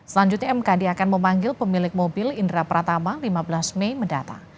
selanjutnya mkd akan memanggil pemilik mobil indra pratama lima belas mei mendatang